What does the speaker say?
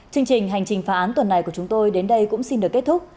chương trình hành trình phá án tuần này của chúng tôi đến đây cũng xin được kết thúc